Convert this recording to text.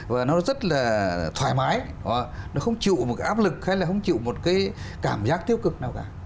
và nó rất là thoải mái nó không chịu một cái áp lực hay là không chịu một cái cảm giác tiêu cực nào cả